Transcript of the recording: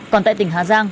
còn tại tỉnh hà giang